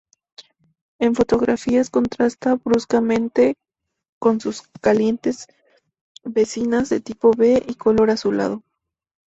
En fotografías contrasta bruscamente con sus calientes vecinas de tipo B y color azulado.